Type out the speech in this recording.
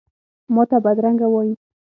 ماته بدرنګه وایې،